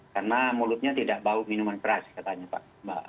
karena mulutnya tidak bau minuman keras katanya pak